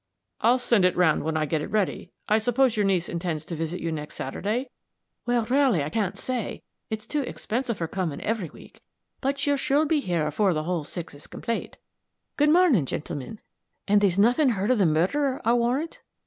"I'll send it round when I get it ready. I suppose your niece intends to visit you next Saturday?" "Well, ra'ly, I can't say. It's too expensive her coming every week; but, she'll sure be here afore the whole six is complate. Good mornin', gintlemen and they's heard nothin' of the murderer, I'll warrant?"